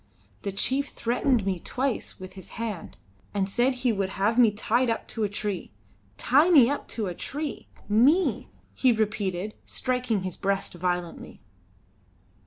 The chief threatened me twice with his hand, and said he would have me tied up to a tree. Tie me up to a tree! Me!" he repeated, striking his breast violently.